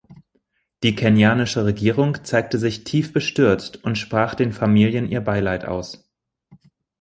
Die kenianische Regierung zeigte sich tief bestürzt und sprach den Familien ihr Beileid aus.